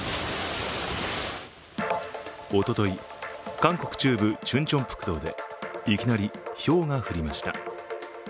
おととい、韓国中部チュンチョンプクトでいきなりひょうが降りました。